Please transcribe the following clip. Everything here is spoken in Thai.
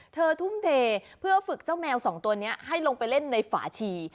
ทุ่มเทเพื่อฝึกเจ้าแมวสองตัวนี้ให้ลงไปเล่นในฝาชี